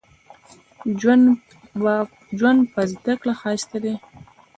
ژوند په زده کړه ښايسته دې